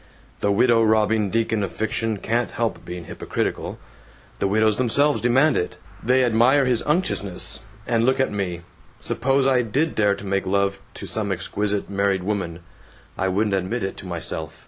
The widow robbing deacon of fiction can't help being hypocritical. The widows themselves demand it! They admire his unctuousness. And look at me. Suppose I did dare to make love to some exquisite married woman. I wouldn't admit it to myself.